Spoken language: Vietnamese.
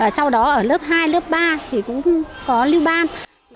sau đó ở lớp hai lớp ba thì cũng có lưu ban